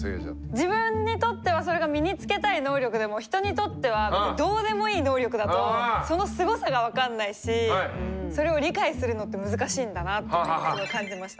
自分にとってはそれが身につけたい能力でも人にとっては別にどうでもいい能力だとそのすごさが分かんないしそれを理解するのって難しいんだなっていうのをすごい感じました。